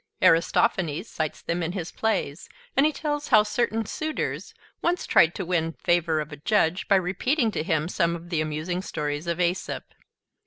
Aristophanes cites them in his plays; and he tells how certain suitors once tried to win favor of a judge by repeating to him some of the amusing stories of Aesop.